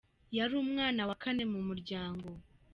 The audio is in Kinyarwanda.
Yari umwana wa kane mu muryango.